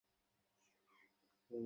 তাহলে এখানে আসার নাটকটা কেন করলো?